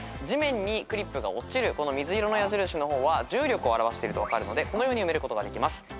地面にクリップが落ちる水色の矢印の方は重力を表していると分かるのでこのように埋めることができます。